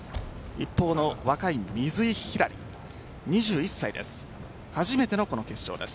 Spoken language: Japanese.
一方の、若い水井ひらり２１歳です。